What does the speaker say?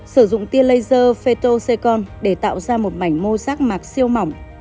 sử dụng tiên laser fetosecon để tạo ra một mảnh mô rác mạc siêu mỏng